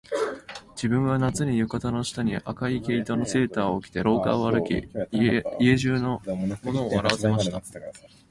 自分は夏に、浴衣の下に赤い毛糸のセーターを着て廊下を歩き、家中の者を笑わせました